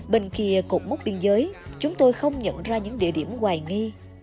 bên kia cục mốc biên giới chúng tôi không nhận ra những địa điểm hoài nghi